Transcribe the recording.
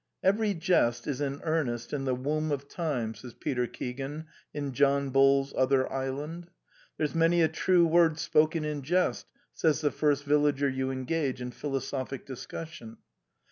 " Every jest is an earnest in the womb of time " says Peter Keegan in John Bull's Other Island. " There 's many a true word spoken in jest " says the first villager you engage in philosophic dis cussion.